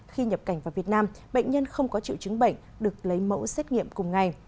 khi nhập cảnh vào việt nam bệnh nhân không có triệu chứng bệnh được lấy mẫu xét nghiệm cùng ngày